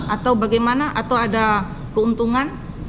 atau bagaimana atau ada keuntungan